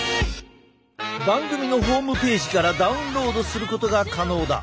番組のホームページからダウンロードすることが可能だ！